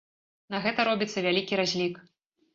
На гэта робіцца вялікі разлік.